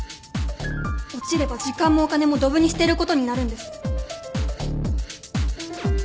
落ちれば時間もお金もどぶに捨てることになるんです。